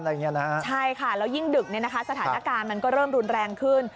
ใช่ค่ะแล้วยิ่งดึกเนี่ยนะคะสถานการณ์มันก็เริ่มรุนแรงขึ้น